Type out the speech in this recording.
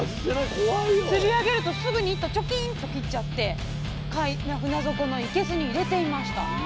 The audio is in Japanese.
釣り上げるとすぐに糸チョキンと切っちゃって船底の生けすに入れていました。